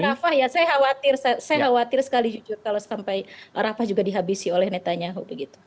saya khawatir sekali jujur kalau sampai rafah juga dihabisi oleh netanyahu